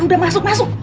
udah masuk masuk